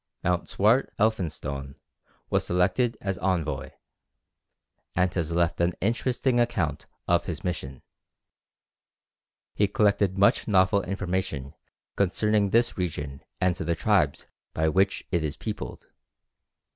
Mountstuart Elphinstone was selected as envoy, and has left an interesting account of his mission. He collected much novel information concerning this region and the tribes by which it is peopled.